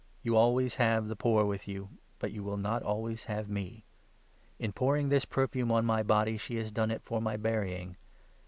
You always have the poor with you, but you n will not always have me. In pouring this perfume on my 12 body, she has done it for my burying.